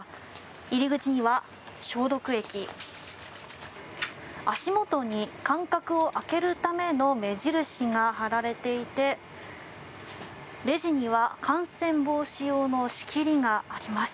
入り口には消毒液足元に間隔を空けるための目印が貼られていてレジには感染防止用の仕切りがあります。